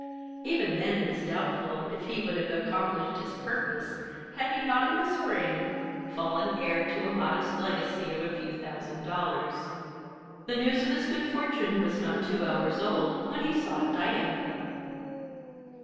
Even then it is doubtful if he would have accomplished his purpose had he not, in the spring, fallen heir to a modest legacy of a few thousand dollars. The news of his good fortune was not two hours old when he sought Diantha.